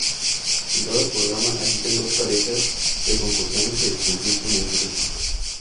En cada programa, asisten dos parejas de concursantes que compiten entre sí.